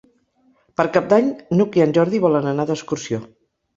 Per Cap d'Any n'Hug i en Jordi volen anar d'excursió.